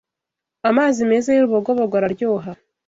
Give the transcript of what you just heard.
Amazi meza y’urubogobogo araryoha